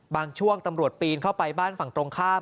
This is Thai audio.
ช่วงตำรวจปีนเข้าไปบ้านฝั่งตรงข้าม